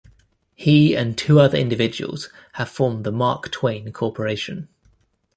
He and two other individuals have formed the Mark Twain Corporation.